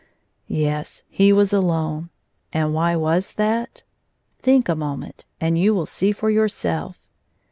Yes, he was alone. And why was that? Think a moment, and you will see for yourself.